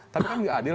tapi kan diadil